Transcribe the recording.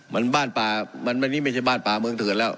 มันใบ้นี้ไม่ใช่บ้านปลาเมืองเถือนแล้ว